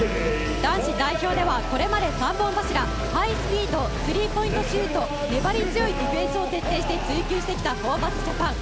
男子代表はこれまで３本柱、ハイスピードスリーポイントシュート粘り強いディフェンスで戦ってきたホーバスジャパン。